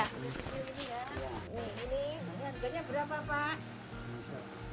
ini harganya berapa pak